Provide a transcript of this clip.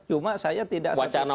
cuma saya tidak satu perahu saja